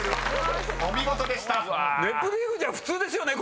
『ネプリーグ』じゃ普通ですよね！